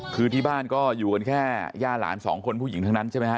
คือที่บ้านก็อยู่กันแค่ย่าหลานสองคนผู้หญิงทั้งนั้นใช่ไหมฮะ